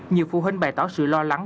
nhiều phụ huynh bày tỏ sự lo lắng